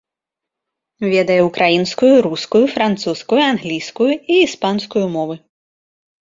Ведае ўкраінскую, рускую, французскую, англійскую і іспанскую мовы.